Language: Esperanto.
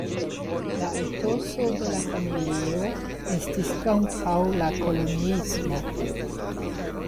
La etoso de la familio estis kontraŭ la koloniismo.